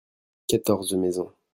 quatorze maisons.